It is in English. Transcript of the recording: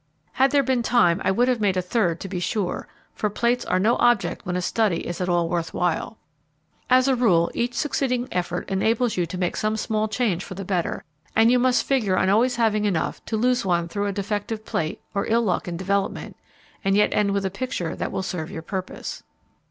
Had there been time, I would have made a third to be sure, for plates are no object when a study is at all worth while. As a rule each succeeding effort enables you to make some small change for the better, and you must figure on always having enough to lose one through a defective plate or ill luck in development, and yet end with a picture that will serve your purpose.